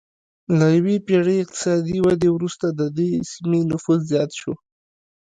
له یوې پېړۍ اقتصادي ودې وروسته د دې سیمې نفوس زیات شو